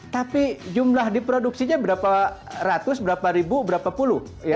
tapi jumlah diproduksinya berapa ratus berapa ribu berapa puluh